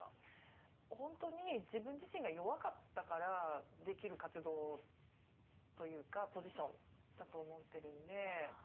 本当に自分自身が弱かったからできる活動というかポジションだと思ってるんで。